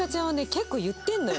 結構言ってるのよ。